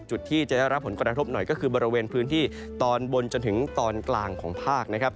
จุดที่จะได้รับผลกระทบหน่อยก็คือบริเวณพื้นที่ตอนบนจนถึงตอนกลางของภาคนะครับ